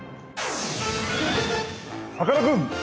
さかなクン！